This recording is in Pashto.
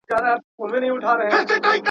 له وطنه څخه لیري مساپر مه وژنې خدایه.